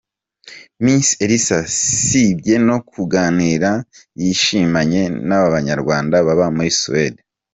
Miss Elsa sibye no kuganira yishimanye n'aba banyarwanda baba muri Suède.